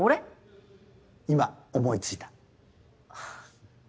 今思い付いた。